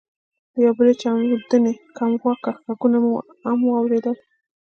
د یوې بلې چاودنې کمواکه ږغونه مو هم واورېدل.